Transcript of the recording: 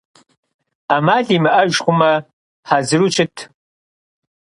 Ӏэмал имыӀэж хъумэ, хьэзыру щыт.